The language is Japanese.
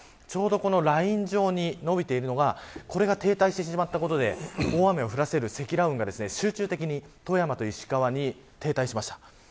ちょうどこのライン状に延びているのはこれが停滞してしまったことで大雨を降らせる積乱雲が集中的に富山と石川に停滞しました。